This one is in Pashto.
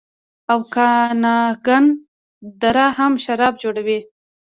اوکاناګن دره هم شراب جوړوي.